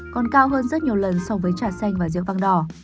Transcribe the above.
còn cao hơn rất nhiều lần so với trà xanh và rượu băng đỏ